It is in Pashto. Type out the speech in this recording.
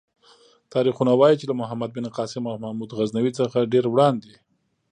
تاریخونه وايي چې له محمد بن قاسم او محمود غزنوي څخه ډېر وړاندې.